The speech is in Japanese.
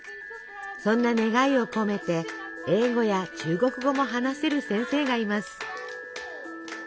そんな願いを込めて英語や中国語も話せる先生がいます。